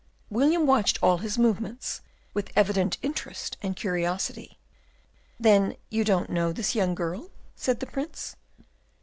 William watched all his movements with evident interest and curiosity. "Then you don't know this young girl?" said the Prince.